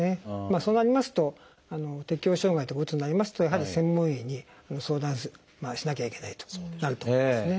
そうなりますと適応障害とかうつになりますとやはり専門医に相談しなきゃいけないとなると思うんですね。